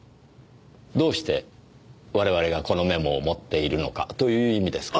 どうして我々がこのメモを持っているのかという意味ですか？